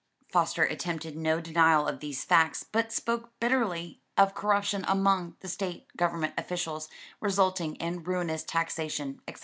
] Foster attempted no denial of these facts, but spoke bitterly of corruption among the state government officials, resulting in ruinous taxation etc.